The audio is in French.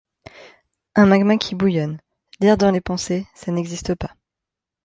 Un magma qui bouillonne. « Lire dans les pensées » ça n’existe pas.